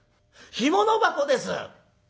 干物箱です！」。